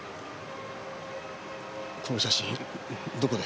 この写真どこで？